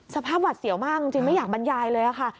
สภาพหวาดเสียวมากคิดไม่อยากบรรยายเลยค่ะ